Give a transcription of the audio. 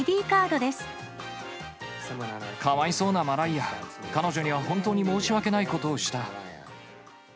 かわいそうなマライア、彼女には本当に申し訳ないことをした。